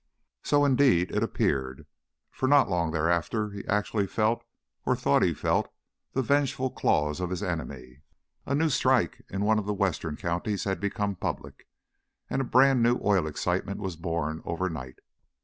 So, indeed, it appeared, for not long thereafter he actually felt, or thought he felt, the vengeful claws of his enemy. A new strike in one of the western counties had become public, and a brand new oil excitement was born overnight.